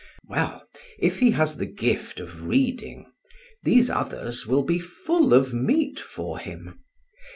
Well, if he has the gift of reading, these others will be full of meat for him.